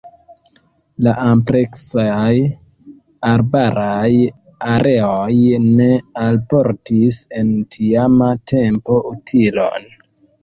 La ampleksaj arbaraj areoj ne alportis en tiama tempo utilon.